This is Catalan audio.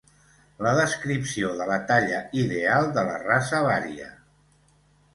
La descripció de la talla ideal de la raça varia.